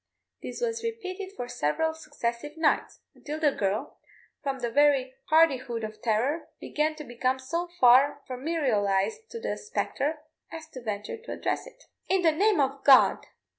This was repeated for several successive nights, until the girl, from the very hardihood of terror, began to become so far familiarised to the spectre as to venture to address it. "In the name of God!"